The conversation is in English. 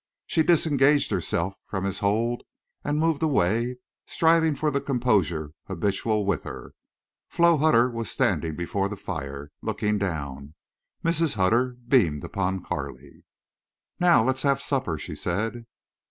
She disengaged herself from his hold and moved away, striving for the composure habitual with her. Flo Hutter was standing before the fire, looking down. Mrs. Hutter beamed upon Carley. "Now let's have supper," she said.